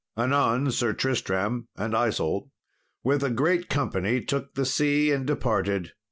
Anon, Sir Tristram and Isault, with a great company, took the sea and departed.